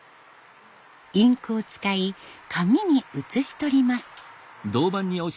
インクを使い紙に写し取ります。